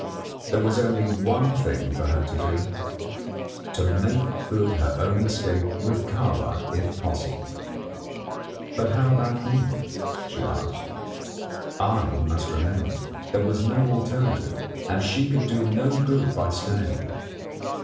There was only one thing for her to do: to make good her own escape with Kahwa if possible. But how about me? she asked. I must remain. There was no alternative, and she could do no good by staying.